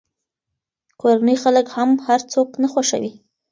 کورني خلک هم هر څوک نه خوښوي.